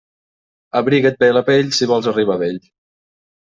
Abriga't bé la pell, si vols arribar a vell.